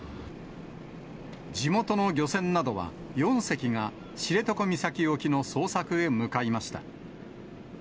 地元の漁船など４隻が知床岬沖の捜索へ向かいました。